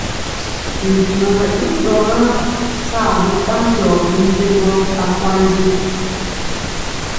Bimpinɔ wɛ i ɗɔŋa saa ɓanjɔ bimbembɔ akwandi.